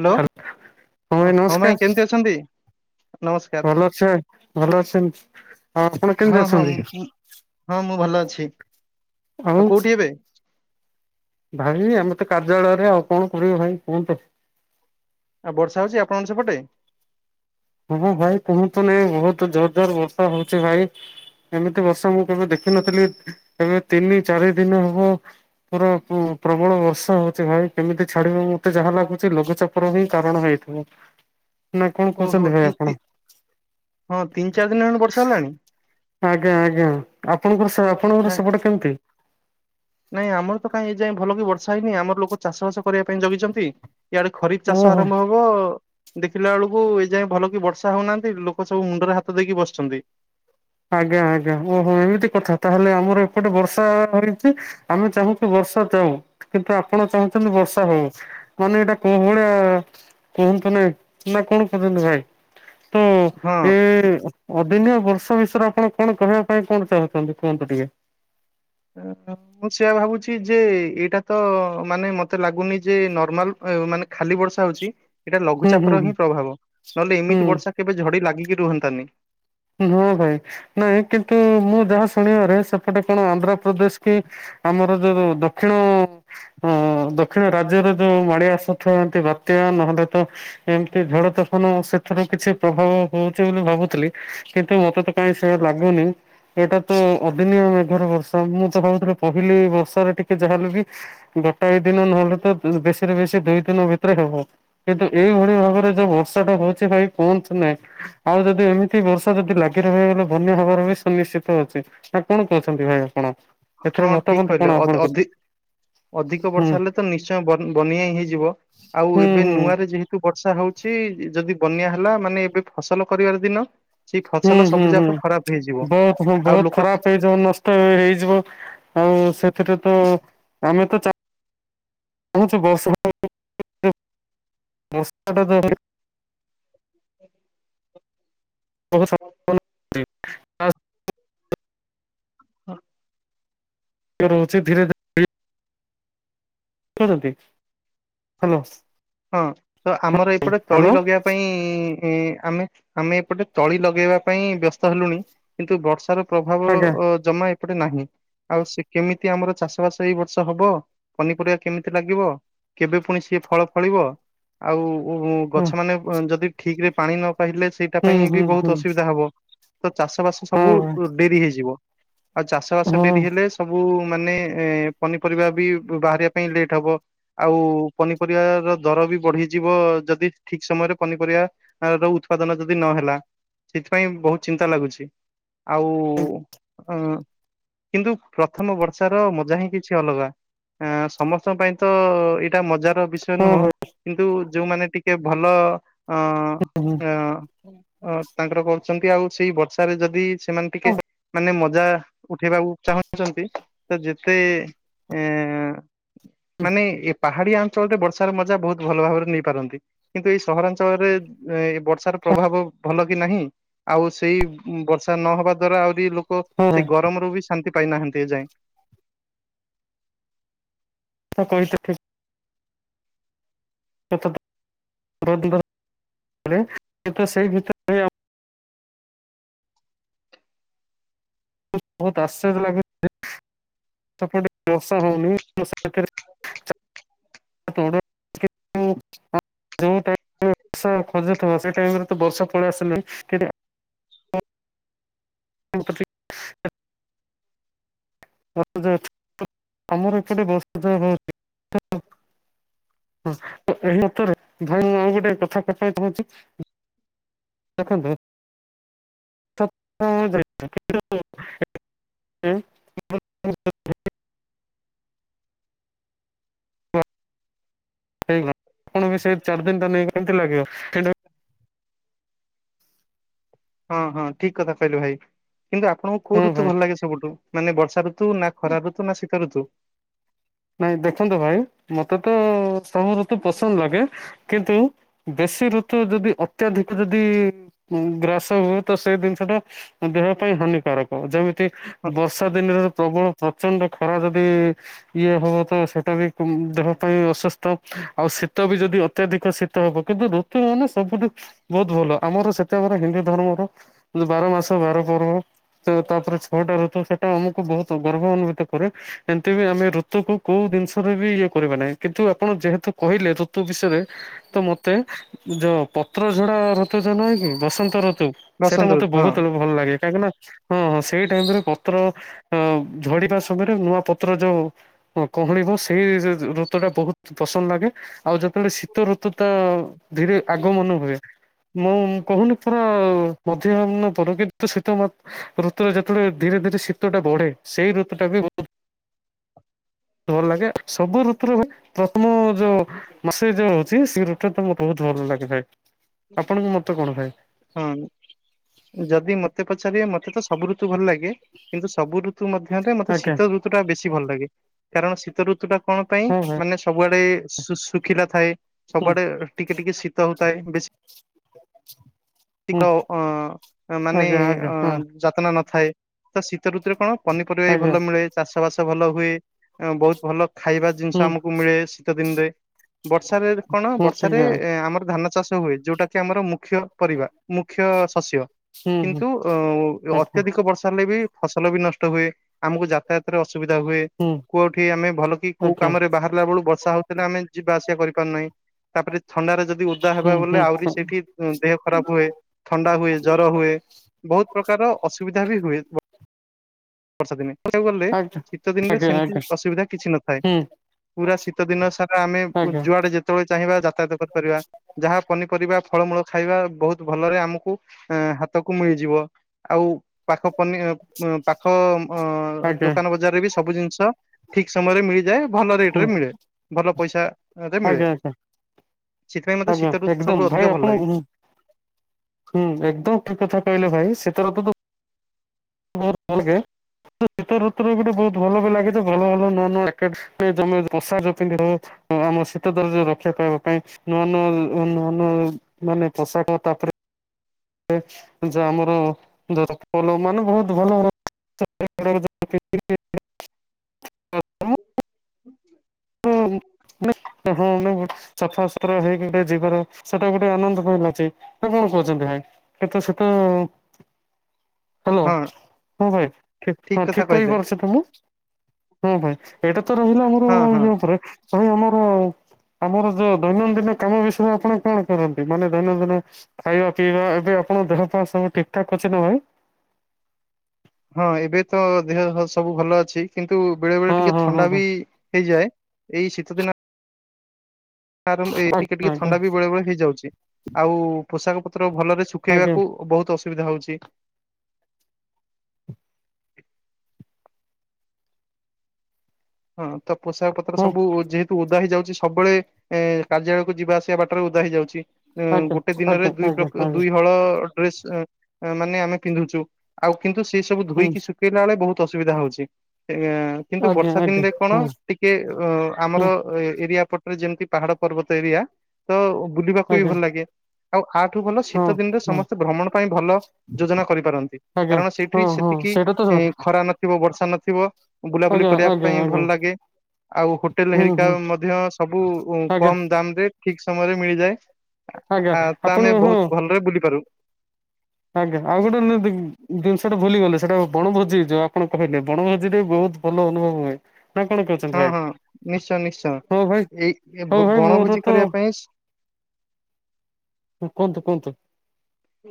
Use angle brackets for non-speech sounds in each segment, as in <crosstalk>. Hello, ଭାଇ ହଁ ନମସ୍କାର ମାଇଁ କେମିତି ଅଛନ୍ତି? ନମସ୍କାର ଭଲ ଅଛି ଭଲ ଅଛେନ୍ ଆଉ ଆପଣ ହଁ କେମିତି ହଁ ମୁଁ ଅଛନ୍ତି? ହଁ ମୁଁ ଭଲ ଅଛି, ଆଉ କୋଉଠି ଏବେ? ଭାଇ ଆମେ ତ କାର୍ଯ୍ୟାଳୟରେ ଆଉ କଣ କରିବା ଭାଇ କୁହନ୍ତୁ। ଆଉ ବର୍ଷା ହଉଚି ଆପଣଙ୍କ ସେପଟେ? ହଁ ଭାଇ କୁହନ୍ତୁନି ବହୁତ ଜୋର ଜୋର ବର୍ଷା ହଉଚି ଭାଇ। ଏମିତି ବର୍ଷା ମୁଁ କେବେ ଦେଖି‌ନଥିଲି ଏବେ ତିନି ଚାରି ଦିନ ହବ ପୁରା ପ୍ରବଳ ବର୍ଷା ହଉଛି ଭାଇ କେମିତି ଛାଡ଼ିବ ମତେ ଯାହା ଲାଗୁଛି ଲଘୁଚାପର ହିଁ କାରଣ ହେଇଥ୍ ବ, ନା କଣ ଓହୋ କହୁଚନ୍ତି ତି ଭାଇ ତି ଆପଣ? ହଁ ତିନି ଚାର ଦିନ ହେଲାଣି ବର୍ଷା ହେଲାଣି। ଆଜ୍ଞା-ଆଜ୍ଞା ଆପଣଙ୍କର ସେ ନା ଆପଣଙ୍କର ସେପଟେ କେମିତି? ନାଇଁ ଆମର ତ କାଇଁ ଏ ଯାଏଁ ଭଲ କି ବର୍ଷା ହେଇନି ଆମର ଲୋକ ଚାଷବାସ କରିବା ପାଇଁ ଜଗିଛନ୍ତି। ଇଆଡେ ଖରିଫ୍ ଚାଷ ଓହୋ ଆରମ୍ଭ ହ ବ, ଦେଖିଲା ବେଳକୁ ଏ ଯାଏଁ ଭଲ କି ବର୍ଷା ହଉନାହାନ୍ତି ଲୋକ ସବୁ ମୁଣ୍ଡରେ ହାତ ଦେଇକି ବସିଛନ୍ତି। ଆଜ୍ଞା-ଆଜ୍ଞା, ଓହୋଃ ଏମିତି କଥା ତାହେଲେ ଆମର ଏପଟେ ବର୍ଷା ହୋଇଛି। ଆମେ ଚାହୁଁଚୁ ବର୍ଷା ଯାଉଁ, କିନ୍ତୁ ଆପଣ ଚାହୁଁଛନ୍ତି ବର୍ଷା ହଉ। ମାନେ ଏଇଟା କୋଉ ଭଳିଆ କୁହନ୍ତୁନି ନାଇଁ କଣ କହୁଛନ୍ତି ଭାଇ? ତ ହଁ ଏ-ଏ-ଏ-ଏ ଅଦିନଆ ବର୍ଷା ବିଷ୍ ଷୟରେ ଆପଣ କଣ କହିବା ପାଇଁ କଣ ଚାହୁଁଛନ୍ତି କୁହନ୍ତୁ ଟିକେ। <unintelligible> ମୁଁ ସେଇଆ ଭାବୁଛି ଯେ ଏଇଟା ତ ମାନେ ମତେ ଲାଗୁନି ଯେ ନର୍ମାଲ ଏ ମାନେ ଖାଲି ବର୍ଷା ହଉଛି। ଏଇଟା ହୁଁ ହୁଁ ଲଘୁଚାପର ହୁଁ ହିଁ ପ୍ରଭାବ, ନହେଲେ ହୁଁ ଏମିତି ବର୍ଷା କେବେ ଝଡି ଲାଗିକି ରୁହନ୍ତାନି। ହଁ ଭାଇ, ନାଇଁ କିନ୍ତୁ ମୁଁ ଯାହା ଶୁଣିବାରେ ସେପଟେ କଣ ଆନ୍ଧ୍ରପ୍ରଦେଶ କି ଆମର ଯୋଉ-ଯୋଉ ଦକ୍ଷିଣ ହଁଅ-ଅ ଦକ୍ଷିଣ ରାଜ୍ୟରେ ଯୋଉ ମାଡି ଆସୁଥିବା ଏମିତି ବାତ୍ୟା ନହେଲେ ତ ଏମତି ଝଡ ତୋଫାନ ସେଥିରୁ କିଛି ପ୍ରଭାବ ହଉଚି ବୋଲି ଭାବୁଥିଲି। କିନ୍ତୁ ମତେ ତ କାଇଁ ସେଇୟା ଲାଗୁନି। ଏଇଟା ତ ଅଦିନିଆ ମେଘର ବର୍ଷା, ମୁଁ ତ ଭାବୁଥିଲି ପହିଲି ବର୍ଷାରେ ଟିକେ ଯାହାେଲେ ବି ଗୋଟାଏ ଦିନ ନହେଲେ ତ ବେଶୀରେ ବେଶୀ ଦୁଇ ଦିନ ଭିତରେ ହବ। କିନ୍ତୁ ଏଇଭଳିଆ ଭାବରେ ଯୋଉ ବର୍ଷା ଟା ହଉଛି ଭାଇ କୁହନ୍ତୁ ନାହିଁ ଆଉ ଯଦି ଏ ବର୍ଷା ଯଦି ଲାଗି ରହିବ ବଲେ ବନ୍ୟା ହବାର ବି ସୁନିଶ୍ଚିତ ଅଛି ନା କଣ କହୁଛନ୍ତି ଭାଇ ଆପଣ? ଏଥିର ହଁ ଠିକ ମତାମତ କହିଲେ କଣ ଅଧ- ଆପଣଙ୍କର? ଅଧି ଅଧିକ ହୁଁ ବର୍ଷା ହେଲେ ତ ନିଶ୍ଚୟ ବନ ବନ୍ୟା ହେଇଯିବ ଆଉ ହୁଁ ଏବେ ହୁଁ ନୂଆରେ ଯେହେ ଏଠୁ ବର୍ଷା ହଉଛି ଯଦି ବନ୍ୟା ହେଲା ମାନେ ଏବେ ଫସଲ କରିବାର ଦିନ। ସେଇ ହୁଁ ଫସଲ ହୁଁ ସବୁ ହୁଁ। ଯାକ ଖରାପ ହେଇଯିବ ଆଉ ଲୋକ? ଯୋଉ ନଷ୍ଟ ହେଇଯିବ ଆଉ ସେଥିରେ ତ ଆମେ ତଚା <inaudible> <inaudible> ହଁ। ଏ ରହୁଛି ଧୀରେ ଧୀରେ କରନ୍ତି ହ୍ୟାଲୋ। ହଁ ତ ଆମର ଏପଟେ ହ୍ୟାଲୋ ତଳି ଲଗେଇବା? ପାଇଁ ଇ ଆମେ ଆମେ ଏପଟେ ତଳି ଲଗେଇବା ପାଇଁ ବ୍ୟସ୍ତ ହେଲୁଣି। କିନ୍ତୁ ବର୍ଷାର ପ୍ରଭାବ ଆଜ୍ଞା ଅ ଜମା ଏପଟେ ନାହିଁ। ଆଉ ସିଏ କେମିତି ଆମର ଚାଷବାସ ଏଇ ବର୍ଷ ହବ ପନିପରିବା କେମିତି ଲାଗିବ। କେବେ ପୁଣି ସେ ଫଳ ଫଳିବ ଆଉ ଉ ଗଛ ହୁଁ ମାନ ଯଦି ଠିକରେ ପାଣି ନ ପାଇଲେ। ସେଇଟା ପାଇଁ ବି ହୁଁ ହୁଁ ବହୁତ ଅସୁବିଧା ହବ ତ ଚାଷ ବାସ ହୁଁ ସବୁ ହଁ ଉ ଡେରି ହେଇଯିବ। ଆଉ ଚାଷ ଭାଇ ବାସ ଡେରି ହଁ ହେଲେ ସବୁ ଉ ମାନେ ଏ ପନିପରିବା ବି ବାହାରିବା ପାଇଁ ଲେଟ୍ ହବ। ଆଉ ପନିପରିବା? ଦର ବି ବଢିଯିବ ଯଦି ଠିକ ସମୟରେ ପନିପରିବା ର ଉତ୍ପାଦନ ଯଦି ନହେଲା। ସେଥିପାଇଁ ବହୁତ ଚିନ୍ତା ଲାଗୁଛି ଆଉ ଅ କିନ୍ତୁ ପ୍ରଥମ ବର୍ଷା ର ମଜା ହିଁ କିଛି ଅଲଗା। ଆ ସମସ୍ତଙ୍କ ପାଇଁ ତ ଏଇଟା ମଜାର ସେ ନୁହଁ ହଁ କିନ୍ତୁ ଯୋଉମାନେ ଟିକେ ଭଲ ଅ ଅ ଅ ଅ ତାଙ୍କର କରୁଛନ୍ତି ଆଉ ସେଇ ବର୍ଷାରେ ଯଦି ସେମାନେ ଟିକେ ଭାଇ ମାନେ ମଜା ଉଠେଇବାକୁ? ଚାହୁଁଛନ୍ତି ତ ଯେତେ ଏ ଏଁ ମାନେ ଏ ପାହାଡିଆ ଅଞ୍ଚଳରେ ବର୍ଷାର ମଜା ବହୁତ ଭଲ ଭାବରେ ନେଇ ପାରନ୍ତି। କିନ୍ତୁ ଏଇ ସହରାଞ୍ଚଳରେ ଏ ବର୍ଷାର ପ୍ରଭାବ ଭଲ କି ନାହିଁ। ଆଉ ସେଇ ବର୍ଷା ନହବା ଦ୍ଵାରା ଆହୁରି ଲୋକ ହଁ ସେଇ ଗରମରୁୁ ବି ଶାନ୍ତି ପାଇନାହାନ୍ତି ଏ ଯାଏ। ହଁ କହିଲି ତ ଠିକ। <inaudible> <inaudible> <inaudible> ଯେଉଁ ଟାଇମ ବର୍ଷା ଖୋଜୁଥିବା ସେ ଟାଇମରେ ତ ବର୍ଷା ପଳେଇ ଆସିଲା କିନ୍ତୁ? <inaudible> ବ ଆମର ଏପଟେ <unintelligible> ହଁ ତ ଏହି ମତରେ ଭାଇ ମୁଁ ଆଉ ଗୋଟେ କଥା କଥା କହିବା ପାଇଁ କହୁଛି। ଦେଖନ୍ତୁ। ହଁ ହଁ ଯାଇ <inaudible> ହଁ ହେଇଗଲା ଆପଣ ବି ସେଇ ଚାରି ଦିନଟା ନେଇକି କେମତି ଲାଗିବ କିନ୍ତୁ? ହଁ ହଁ ଠିକ କଥା କହିଲେ ଭାଇ କିନ୍ତୁ ଆପଣଙ୍କୁ କୋଉ ହଁ ଭାଇ ଋତୁ ଭଲ ଲାଗେ ସବୁଠୁ? ମାନେ ବର୍ଷା ଋତୁ ନା ଖରା ଋତୁ ନା ଶୀତ ଋତୁ। ନାଇଁ ଦେଖନ୍ତୁ ଭାଇ ମତେ ତ ସବୁ ଋତୁ ପସନ୍ଦ ଲାଗେ କିନ୍ତୁ ବେଶୀ ଋତୁ ଯଦି ଅତ୍ୟଧିକ ଯଦି ହୁଁ ଗ୍ରାସ ହୁଏ ତ ସେ ଦିନିଷଟା ଦେହ ପାଇଁ ହାନିକାରକ। ଯେମିତି ହଁ ବର୍ଷା ଦିନରେ ପ୍ରବଳ ପ୍ରଚଣ୍ଡ ଖରା ଯଦି ଇଏ ହେବ ତ ସେଟା ବି ଦେହ ପାଇଁ ଅସୁସ୍ଥ ଆଉ ଶୀତ ବି ଯଦି ଅତ୍ୟଧିକ ଶୀତ ହେବ କିନ୍ତୁ ରୁ ମାନେ ସବୁଠୁ ବହୁତ ଭଲ ଆମର ସେତେବେଳେ ହିନ୍ଦୁ ଧର୍ମକୁ ବାର ମାସ ବାର ପର୍ବ। ତ ତାପରେ ଛଅଟାଋତୁ ସେଟା ଆମକୁ ବହୁତ ଗର୍ବ ଅନୁଭୂତି କରେ ଏମିତି ବି ଆମେ ଋତ ଋତୁ କୁ କୋଉ ଦିନିଷରେ ବି ଇଏ କରିବେ ନାହିଁ କିନ୍ତୁ ଆପଣ ଯେହେତୁ କହିଲେ ଋତୁ ବିଷୟରେ ତ ମତେ ଯ ପତ୍ର ଝଡା ଋତୁ ଯୋଉ ନୁହେଁ କି ବସନ୍ତ ଋତୁ। ସେଇଟା ବସନ୍ତ ମତେ ଋତୁ ହଁ ବହୁତ ଉ ଭଲ ଲାଗେ କାହିଁକି ନା ହଁ ହଁ ସେଇ ଟାଇମ୍ ରେ ପତ୍ର ଅ ଝଡିବା ସମୟରେ ନୂଆ ପତ୍ର ଯୋଉ ହଁ କହଁଳିିବ ସେଇ ଋତୁ ଟା ବହୁତ୍ ପସନ୍ଦ ଲାଗେ। ଆଉ ଯେତେବେଳେ ଶୀତ ଋତୁ ତ ଧୀରେ ଆଗମନ ହୁଏ। ମୁଁ କହୁନି ପୁରା ମଧ୍ୟାହ୍ନ ପଡେ କିନ୍ତୁ ଶୀତ ମତ୍ ଋତୁରେ ଯେତେବେଳେ ଧୀରେ ଧୀରେ ଶୀତ ଟା ବଢେ ସେଇ ଋତୁ ଟା ବି ବହୁତ୍ ଭଲ ଲାଗେ ସବୁ ଋତୁରେ ହ ପ୍ରଥମ ଯୋ ମେସେଜ ଯୋଉ ରହୁଛି ସେ ଋତୁରେ ତ ବହୁତ ଭଲ ଲାଗିଥାଏ, ଆପଣଙ୍କୁ ମତ କଣ ଥାଏ। ହଁ। ଯଦି ମତେ ପଚାରିବେ ମତେ ତ ସବୁ ଋତୁ ଭଲ ଲାଗେ କିନ୍ତୁ ସବୁ ଋତୁ ମଧ୍ୟରେ ମୋତେ ଆଜ୍ଞା ଶୀତ ଋତୁ ଋତୁ ଟା ବେଶି ଭଲ ଲାଗେ କାରଣ ଶୀତ ଋତୁ ଟା କଣ ପାଇଁ ହଁ ଭାଇ ମାନେ ସବୁଆଡେ ଶୁ ଶୁଖିଲା ଥାଏ। ହୁଁ ସବୁଆଡେ଼ ଟିକେ ଟିକେ ଶୀତ ହଉଥାଏ ବେଶି <inaudible> ତିକ ଅ ମାନେ ଆଜ୍ଞା ଆଜ୍ଞା ଅ ହଁ ଯତ୍ନ ନଥାଏ ତ ଶୀତ ଋତୁରେ କଣ ପନିପରିବା ବି ଆଜ୍ଞା ଭଲ ମିଳେ ଚାଷ ବାସ ଭଲ ହୁଏ ଅଁ ବହୁତ ଭଲ ଖାଇବା ଜିନିଷ ହୁଁ ଆମକୁ ମିଳେ ଶୀ ଶୀତ ଦିନ୍ ରେ ବର୍ଷାରେ କଣ ହୁଁ ବର୍ଷାରେ ଆଜ୍ଞା ଏଁ ଆମର ଧାନ ଚାଷ ହୁଏ। ଯୋଉଟା କି ଆମର ମୁଖ୍ୟ ପରିବା ମୁଖ୍ୟ ଶସ୍ୟ। ହୁଁ ହୁଁ କିନ୍ତୁ ଅ ଆଜ୍ଞା ଅତ୍ୟଧିକ ବର୍ଷା ହେଲେ ବି ଫସଲ ବି ନଷ୍ଟ ହୁଏ ଆମକୁ ଯାତାୟାତରେ ଅସୁବିଧା ହୁଏ। ହୁଁ କଉଠି ଆମେ ଭଲ କି କୋଉ ଆଜ୍ଞା କାମରେ ବାହାରିଲା ବେଳୁ ବର୍ଷା ହଉଥିଲେ ଆମେ ଯିବା ଆସିବା କରିପାରୁନାହିଁ। ତାପରେ ଥଣ୍ଡାରେ ଯଦି ଉଦା ହବା ହୁଁ ବଲେ ହୁଁ ଆହୁରି ସେଇଠି ଉଁ ଦେହ ଖରାପ ହୁଏ। ଥଣ୍ଡା ହୁଏ ଜର ହୁଏ ବହୁତ ପ୍ରକାର ଅସୁବିଧା ବି ହୁଏ। ବର୍ଷା ଦିନେ କହିବାକୁ ଗଲେ ଆଜ୍ଞା ଶୀତ ଦିନରେ ଆଜ୍ଞା ସେମିତି ଆଜ୍ଞା ଅସୁବିଧା କିଛି ନଥାଏ। ହୁଁ ପୁରା ଶୀତ ଦିନ ସାରା ଆମେ ଆଜ୍ଞା ଯୁଆଡେ ଯେତ ଯେତେବେଳେ ଚାହିଁବା ଯାତାୟାତ କରିପାରିବା ଯାହା ପନିପରିବା ଫଳମୂଳ ଖାଇବା ବହୁତ୍ ଭଲରେ ଆମକୁ ଏଁ ହାତକୁ ମିଳିଯିବ। ଆଉ ପାଖ ପନି ପାଖ ଅ ଆଜ୍ଞା ଦୋକାନ ବଜାରରେ ବି ସବୁ ଜିନିଷ ଠିକ୍ ସମୟ ରେ ମିଳିଯାଏ ଭଲ ରେଟ୍ ହୁଁ ରେ ମିଳେ ଭଲ ପଇସା ରେ ମିଳେ। ଆଜ୍ଞା ଆଜ୍ଞା ସେଥିପାଇଁ ମତେ ଆଜ୍ଞା ଶୀତ ଋତୁ ଏକଦମ୍ ସବୁଠୁ ଅଧିକ ଭାଇ ଭଲ ଆପଣ ଲାଗେ ହୁଁ। ହୁଁ ଏକଦମ୍ ଠିକ୍ କଥା କହିଲେ ଭାଇ ସେଥର ତ <unintelligible> ଶୀତ ଋତୁରେ ଗୋଟେ ବହୁତ ଭଲ ବି ଲାଗେ ବି ଯେ ଭଲ ଭଲ ନୂଆ ନୂଆ ଜ୍ୟାକେଟ ମସାଜ ପିନ୍ଧି ହୁଏ। ଆମ ଶୀତ ଦର୍ଜ ରକ୍ଷା ପାଇବା ପାଇଁ ନୂଆ ନୂଆ ନୂଆ ନୂଆ ମାନେ ପୋଷାକ ତାପରେ ଯୋଉ ଆମର <inaudible> ମାନେ ବହୁତ ଭଲ ର <unintelligible> ମାନେ ହଁ ଆମେ ସଫାସୁତୁରା ହେଇକି ଗୋଟେ ଯିବାର ସେଟା ଗୋଟେ ଆନନ୍ଦ ମିଲୁଛି। ତ କଣ କହୁଛନ୍ତି ଭାଇ କିନ୍ତୁ ସେ ତ ହାଲୋ ହଁ। ହଁ ଭାଇ, ଠିକ୍ ଠିକ ହଁ କଥା ଠିକ୍ କହିଲେ କହିପାରୁଛି ତ ମୁଁ? ହଁ ଭାଇ ଏଇଟା ତ ରହିଲା ଆମର ହଁ ହଁ। ଇଏ ଉପରେ। ଆଉ ଆମର ଆମର ଯୋଉ ଦୈନନ୍ଦିନ କାମ ବିଷୟରେ ଆପଣ କଣ କରନ୍ତି? ମାନେ ଦୈନନ୍ଦିନ ଖାଇବା ପିଇବା ଆପଣ ଦେହ ପା ସବୁ ଠିକ୍ ଠାକ୍ ଅଛି ନା ଭାଇ? ହଁ ଏବେ ତ ଦେହ ପ ସବୁ ଭଲ ଅଛି। କିନ୍ତୁ ବେଳେ ବେଳେ ହଁ ଟିକେ ହଁ ହଁ ଥଣ୍ଡା ହଁ ବି ହେଇଯାଏ। ଏଇ ଶୀତ ଦିନ ଟିକେ ଆଜ୍ଞା ଟିକେ ଆଜ୍ଞା ଥଣ୍ଡା ବି ବେଳେ ବେଳେ ହେଇଯାଉଛି। ଆଉ ପୋଷାକ ପତ୍ର ଭଲରେ ଶୁଖୁ ଆଜ୍ଞା ଶୁଖେଇବାକୁ ବହୁତ ଅସୁବିଧା ହଉଛି। ହଁ ତ ପୋଷାକ ପତ୍ର ହଁ ସବୁ ଯେହେ ଓଦା ହେଇଯାଉଛି ସବୁବେଳେ। ଏ କାର୍ଯ୍ୟାଳୟ କୁ ଯିବା ଆସିବା ବାଟରେ ଓଦା ହେଇଯାଉଛି। ଏ ଆଜ୍ଞା ଗୋଟେ ଦିନରେ ଆଜ୍ଞା ଦୁଇ ଆଜ୍ଞା ପ୍ର ଆଜ୍ଞା ଦୁଇ ହଳ <unintelligible> ମାନେ ଆମେ ପିନ୍ଧୁଛୁ। ଆଉ କିନ୍ତୁ ସେ ସବୁ ହୁଁ ଧୋଇକି ସୁଖେଇଲା ବେଳେ ବହୁତ ଅସୁବିଧା ହଉଛି। ଏ କିନ୍ତୁ ଆଜ୍ଞା ବର୍ଷା ଆଜ୍ଞା ଦିନିରେ କଣ ହୁଁ ଟିକେ ଅ ଆମର ହୁଁ ଏରିଆ ପଟରେ ଯେମିତି ପାହାଡ ପର୍ବତ ଏରିଆ ତ ବୁଲିବାକୁ ବି ଆଜ୍ଞା ଭଲ ଲାଗେ। ଆଉ ଆଠୁ ଭଲ ହଁ ଶୀତ ଦିନରେ ହଁ ସମସ୍ତେ ଭ୍ରମଣ ପାଇଁ ଭଲ ଯୋଜନା କରିପାରନ୍ତି। ଆଜ୍ଞା କାରଣ ହଁ ସେଇଠି ହଁ ସେତିକି ସେଇଟା ତ ଖରା ନଥିବ, ବର୍ଷା ନଥିବ ବୁଲାବୁଲି ଆଜ୍ଞା କରିବା ଆଜ୍ଞା ପାଇଁ ଆଜ୍ଞା ଭଲ ଲାଗେ। ଆଉ ହୋଟେଲ ହୁଁ ହେରିକା ହୁଁ ମଧ୍ୟ ସବୁ ଆଜ୍ଞା କମ୍ ଦାମ ରେ ଠିକ୍ ସମୟରେ ମିଳିଯାଏ। ଆଜ୍ଞା ଆ ତ ଆପଣ ଆମେ ହଁ ବହୁତ ଭଲରେ ବୁଲିପାରୁ। ଆଜ୍ଞା ଆଉ ଗୋଟେ ଜିନିଷ ଟେ ଭୁଲି ଗଲେ ସେଟା ବଣଭୋଜି। ଯୋଉ ଆପଣ କହିଲେ ବଣଭୋଜିରେ ବହୁତ ଭଲ ଅନୁଭବ ହୁଏ। ନା କଣ କହୁଛନ୍ତି ହଁ ଭାଇ? ହଁ ନିଶ୍ଚୟ ନିଶ୍ଚୟ। ହଉ ଭାଇ, ଏଇ ଏ ହଉ ଭାଇ ମୋର ବଣଭୋଜି ତ କରିବା ପାଇଁ କୁହନ୍ତୁ କୁହନ୍ତୁ।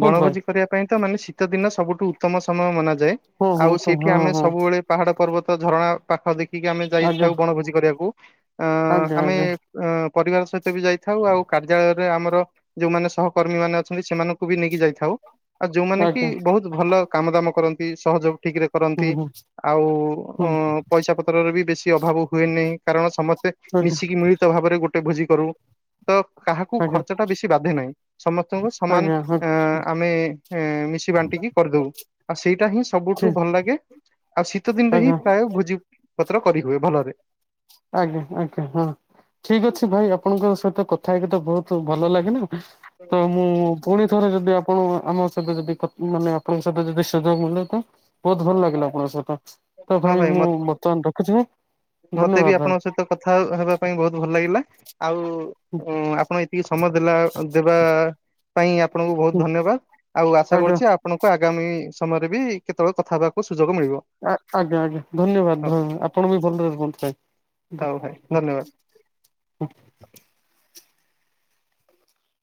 କୁହନ୍ତୁ ଭାଇ। ବଣଭୋଜି କରିବା ପାଇଁ ତ ମାନେ ଶୀତ ଦିନ ସବୁଠୁ ଉତ୍ତମ ସମୟ ମନା ଯାଏ। ହଁ ହଁ ଆଉ ତ ସେଇଠି ହଁ ଆମେ ହଁ ସବୁବେଳେ ପାହାଡ, ପର୍ବତ, ଝରଣା ପାଖ ଦେଖିକି ଆମେ ଆଜ୍ଞା ଯାଇଥାଉ ବଣଭୋଜି କରିବାକୁ। ଅ ଆଜ୍ଞା ଆମେ ଆଜ୍ଞା। ପରିବାର ସହିତ ବି ଯାଇଥାଉ। ଆଉ କାର୍ଯ୍ୟାଳୟରେ ଆମର ଯୋଉମାନେ ସହକର୍ମୀ ମାନେ ଅଛନ୍ତି ସେମାନ ଙ୍କୁ ବି ନେଇକି ଯାଇଥାଉ। ଆଉ ଯୋଉମାନେ କି ଆଜ୍ଞା। ବହୁତ ଭଲ କାମ ଦାମ କରନ୍ତି ସହଯୋଗ ଠିକ୍ ରେ ହୁଁ କରନ୍ତି ହୁଁ ଆଉ ଉ ହୁଁ ପଇସା ପତ୍ରରେ ବି ବେଶୀ ଅଭାବ ହୁଏନି କାରଣ ସମସ୍ତେ ଆଜ୍ଞା ମିଶିକି ମିଳିତ ଭାବରେ ଗୋଟେ ଭୋଜି କରୁ। ତ କାହାକୁ ଆଜ୍ଞା ଖର୍ଚ୍ଚ ଟା ବେଶୀ ବାଧେ ନାହିଁ। ସମସ୍ତଙ୍କୁ ସମାନ ଆଜ୍ଞା ହଁ ଅ ଆମେ ଏ ମିଶି ବାଣ୍ଟିକି କରିଦଉ। ଆଉ ସେଇଟା ହିଁ ଠି ସବୁଠୁ ଭଲ ଲାଗେ। ଆଉ ଶୀତ ଦିନରେ ହିଁ ଆଜ୍ଞା ପ୍ରାୟ ଭୋଜି ପତ୍ର କରିହୁଏ ଭଲରେ। ଆଜ୍ଞା ଆଜ୍ଞା ହଁ, ଠିକ୍ ଅଛି ଭାଇ ଆପଣଙ୍କ ସହିତ କଥା କଥା ହେଇକି ତ ବହୁତ ଭଲ ଲାଗିଲା। ତ ମୁଁ ପୁଣି ଥରେ ଯଦି ଆପଣ ଆମ ସହିତ ଯଦି କ ମାନେ ଆପଣଙ୍କ ସହିତ ଯଦି ସୁଯୋଗ ମିଳେ ତ ବହୁତ ଭଲ ଲାଗିଲା ଆପଣଙ୍କ ସହିତ। ତ ହଁ ଭାଇ ମ ମୁଁ ବର୍ତ୍ତମାନ ରଖୁଛି ମତେ ବି ଧନ୍ୟବାଦ। ଭାଇ ଆପଣଙ୍କ ସହିତ କଥା ହେବା ପାଇଁ ବହୁତ ଭଲ ଲାଗିଲା। ଆଉ ଆପଣ ଏତିକି ସମୟ ଦେଲା ଦେବା ପାଇଁ ଆପଣଙ୍କୁ ବହୁତ ଧନ୍ୟବାଦ। ଆଉ ଆଶା ଆଜ୍ଞା। କରୁଛି ଆ ଆପଣଙ୍କୁ ଆଗାମୀ ସମୟରେ ବି କେତେବେଳେ କଥା ହେବାକୁ ସୁଯୋଗ ମିଳିବ। ଆ-ଆଜ୍ଞା ଆଜ୍ଞା ଧନ୍ୟବାଦ ହଉ ଧ ଆପଣ ବି ଭଲରେ ରୁହନ୍ତୁ ଭାଇ। ହୋଉ ଭାଇ ଧନ୍ୟବାଦ।